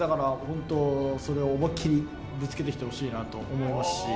それを思いっきりぶつけてきてほしいなと思うし